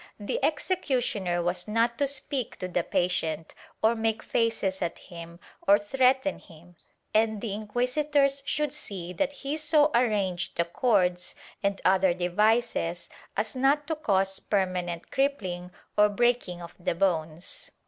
The executioner was not to speak to the patient, or make faces at him, or threaten him, and the inquisitors should see that he so arranged the cords and other devices as not to cause permanent crippling or breaking of the bones.